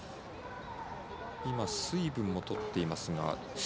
水分をとっていますが。